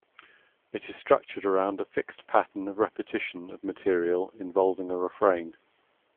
It is structured around a fixed pattern of repetition of material involving a refrain.